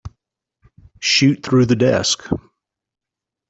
Shoot through the desk.